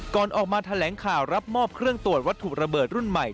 ก่อนออกมาแถลงข่าวรับมอบเครื่องตรวจวัตถุระเบิดรุ่นใหม่